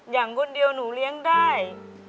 อย่างคนเดียวหนูเลี้ยงได้